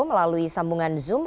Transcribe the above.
melalui sambungan zoom